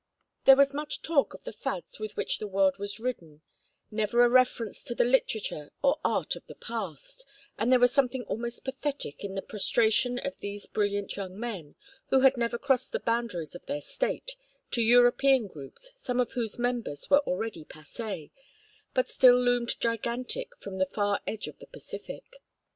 There was much talk of the fads with which the world was ridden, never a reference to the literature or art of the past; and there was something almost pathetic in the prostration of these brilliant young men, who had never crossed the boundaries of their State, to European groups, some of whose members were already passé, but still loomed gigantic from the far edge of the Pacific.